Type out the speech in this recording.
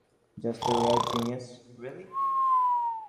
Just a rare genius, really.